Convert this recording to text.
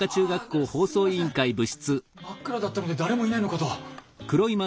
真っ暗だったので誰もいないのかと。